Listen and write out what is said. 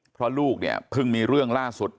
เพราะลูกเนี่ยเพิ่งมีเรื่องล่าสุด